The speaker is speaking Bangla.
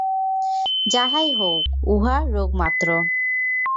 যাহাই হউক, উহা রোগমাত্র।